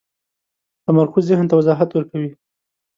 تمرکز ذهن ته وضاحت ورکوي.